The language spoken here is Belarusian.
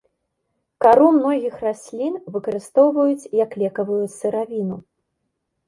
Кару многіх раслін выкарыстоўваюць як лекавую сыравіну.